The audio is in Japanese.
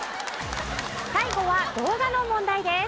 最後は動画の問題です。